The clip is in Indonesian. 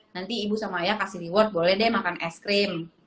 nanti ibu sama ayah kasih reward boleh deh makan es krim